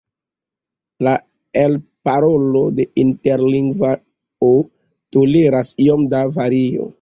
La elparolo de interlingvao toleras iom da vario.